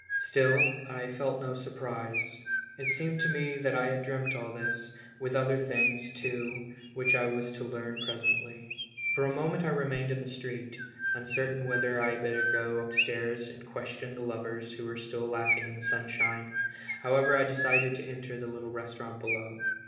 Still, I felt no surprise. It seemed to me that I had dreamed all this, with other things, too, which I was to learn presently. 276 BACK FROM THE GRAVE. For a moment I remained in the street, uncertain vdietlier I had better go up stairs and question the lov ers, who were still laugliing in the sunshine. However, I decided to enter the little restaurant below.